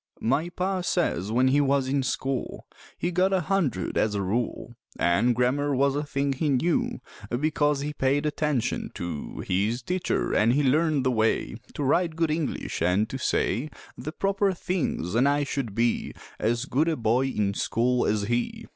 My Pa says when he was in school He got a hundred as a rule; An' grammar was a thing he knew Becoz he paid attention to His teacher, an' he learned the way To write good English, an' to say The proper things, an' I should be As good a boy in school as he.